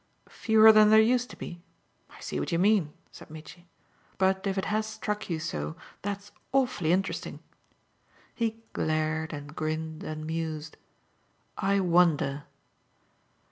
"Fewer than there used to be? I see what you mean," said Mitchy. "But if it has struck you so, that's awfully interesting." He glared and grinned and mused. "I wonder."